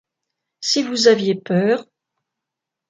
Si vous aviez peur…